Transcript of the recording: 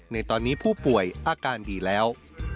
ในตอนนี้ผู้ป่วยอาการดีแล้ว